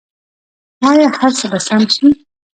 آیا هر څه به سم شي؟